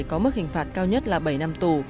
có mức hình phạt cao nhất là bảy năm tù